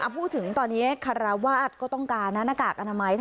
พูดถึงตอนนี้คาราวาสก็ต้องการนะหน้ากากอนามัย